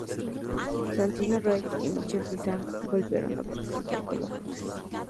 Santino Rice y Michelle Visage volvieron a participar como jueces.